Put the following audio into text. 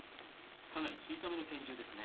かなり小さめの拳銃ですね。